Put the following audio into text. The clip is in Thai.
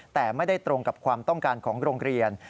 แต่ไม่ได้ตรงกับความต้องการของโรงเรียน